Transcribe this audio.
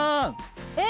えっ？